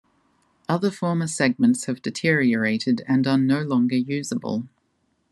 Other former segments have deteriorated and are no longer usable.